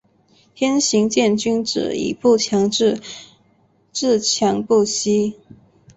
天行健，君子以不强自……自强不息。